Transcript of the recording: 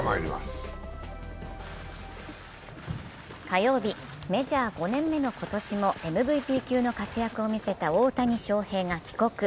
火曜日、メジャー５年目の今年もＭＶＰ級の活躍を見せた大谷翔平が帰国。